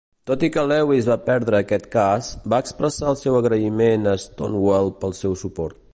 Tot i que Lewis va perdre aquest cas, va expressar el seu agraïment a Stonewall pel seu suport.